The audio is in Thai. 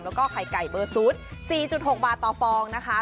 แล้วก็ไข่ไก่เบอร์๐๔๖บาทต่อฟองนะคะ